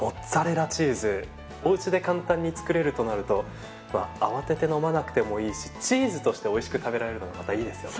おうちで簡単に作れるとなると慌てて飲まなくてもいいしチーズとしておいしく食べられるのがまたいいですよね。